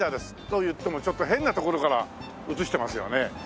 といってもちょっと変な所から映してますよね。